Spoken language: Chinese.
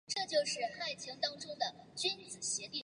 普氏马先蒿南方亚种为玄参科马先蒿属下的一个亚种。